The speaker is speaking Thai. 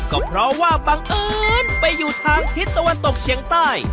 ก็เพราะว่าบังเอิญไปอยู่ทางทิศตะวันตกเฉียงใต้